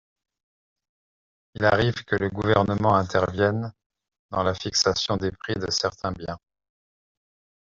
Il arrive que le gouvernement intervienne dans la fixation des prix de certains biens.